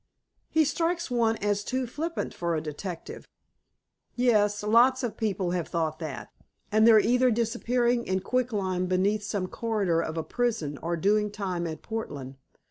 "He strikes one as too flippant for a detective." "Yes. Lots of people have thought that, and they're either disappearing in quicklime beneath some corridor of a prison, or doing time at Portland.